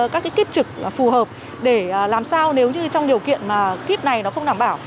các kiếp trực phù hợp để làm sao nếu như trong điều kiện kiếp này nó không đảm bảo